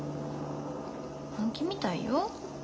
本気みたいよ。